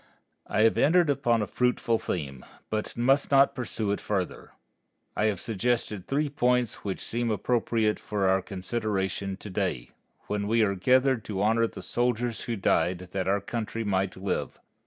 I have entered upon a fruitful theme, but must not pursue it further. I have suggested three points which seem appropriate for our consideration to day, when we are gathered to honor the soldiers who died that our country might live.